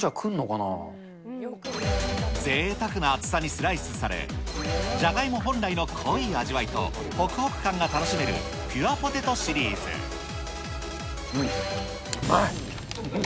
ぜいたくな厚さにスライスされ、じゃがいも本来の濃い味わいとほくほく感が楽しめる、ピュアポテうん、うまい！